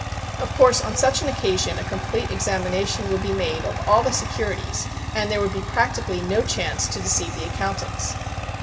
Of course, on such an occasion a complete examination would be made of all the securities and there would be practically no chance to deceive the accountants.